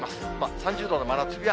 ３０度の真夏日は。